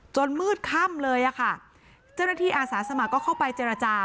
มืดค่ำเลยอะค่ะเจ้าหน้าที่อาสาสมัครก็เข้าไปเจรจา